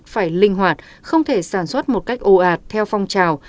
phải linh hoạt không thể sản xuất một cách ồ ạt theo phong trào